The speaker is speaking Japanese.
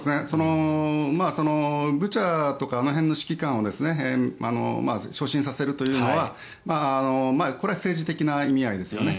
ブチャとかあの辺の指揮官を昇進させるというのは政治的な意味合いですよね。